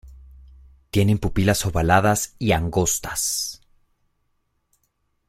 Tienen pupilas ovaladas y angostas.